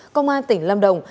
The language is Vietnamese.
công an tỉnh lâm đồng